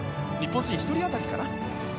日本人１人当たりかな？